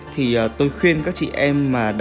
thì tôi khuyên các chị em